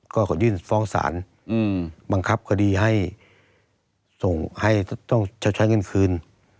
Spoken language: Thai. ก็ยื่นฟ้องศาลบังคับคดีให้ส่งให้ต้องชดใช้เงินคืน